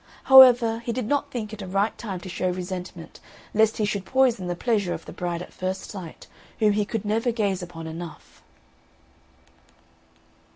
However, he did not think it a right time to show resentment, lest he should poison the pleasure of the bride at first sight, whom he could never gaze upon enough.